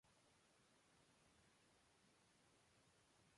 Nació en Nueva Jersey.